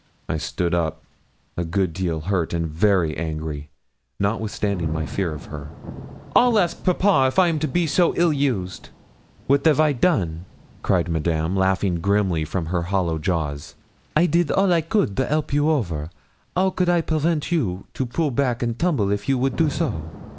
I stood up, a good deal hurt, and very angry, notwithstanding my fear of her. 'I'll ask papa if I am to be so ill used.' 'Wat av I done?' cried Madame, laughing grimly from her hollow jaws; I did all I could to help you over 'ow could I prevent you to pull back and tumble if you would do so?